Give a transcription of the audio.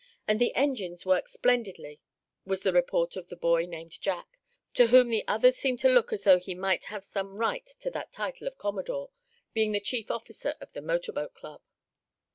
And the engines work splendidly," was the report of the boy named Jack, to whom the others seemed to look as though he might have some right to that title of "Commodore," being the chief officer of the motor boat club.